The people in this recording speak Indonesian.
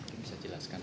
ya bisa jelaskan